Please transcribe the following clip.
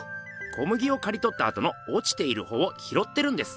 小麦をかりとったあとの落ちている穂を拾ってるんです。